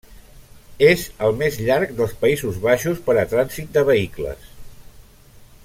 És el més llarg dels Països Baixos per a trànsit de vehicles.